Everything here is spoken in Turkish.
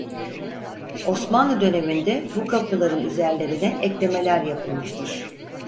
Osmanlı döneminde bu kapıların üzerlerine eklemeler yapılmıştır.